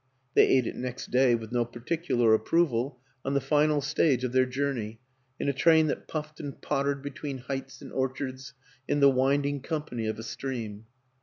They ate it next day, with no par ticular approval, on the final stage of their 42 WILLIAM AN ENGLISHMAN journey, in a train that puffed and pottered be tween heights and orchards in the winding com pany of a stream.